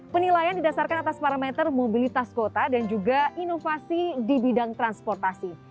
penilaian didasarkan atas parameter mobilitas kota dan juga inovasi di bidang transportasi